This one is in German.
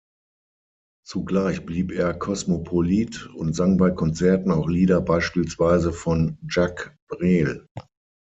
Zugleich blieb er Kosmopolit und sang bei Konzerten auch Lieder beispielsweise von Jacques Brel.